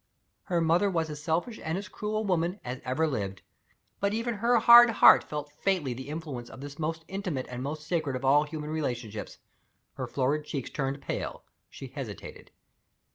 Her mother was as selfish and as cruel a woman as ever lived. But even her hard heart felt faintly the influence of the most intimate and most sacred of all human relationships. Her florid cheeks turned pale. She hesitated.